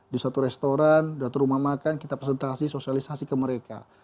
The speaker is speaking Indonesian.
di satu restoran di satu rumah makan kita presentasi sosialisasi ke mereka